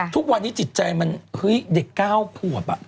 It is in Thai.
ทุกวันนี้จิตใจมันเฮ้ยเด็กก้าวควบอะ